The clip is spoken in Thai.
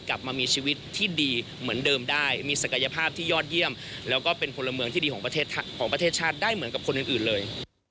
กลับมามีชีวิตที่ดีเหมือนเดิมได้มีศักยภาพที่ยอดเยี่ยมแล้วก็เป็นพลเมืองที่ดีของประเทศชาติได้เหมือนกับคนอื่นเลย